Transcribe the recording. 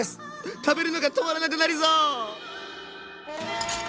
食べるのが止まらなくなりそう！